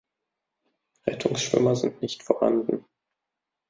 Rettungsschwimmer sind nicht vorhanden.